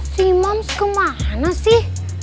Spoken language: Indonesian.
si mams kemana sih